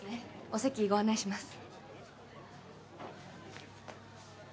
お席ご案内します。